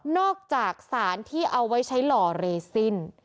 จากสารที่เอาไว้ใช้หล่อเรซิน